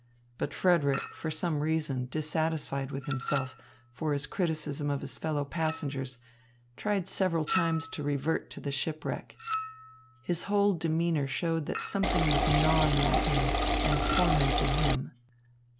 But Frederick, for some reason dissatisfied with himself for his criticism of his fellow passengers, tried several times to revert to the shipwreck. His whole demeanour showed that something was gnawing at him and tormenting him.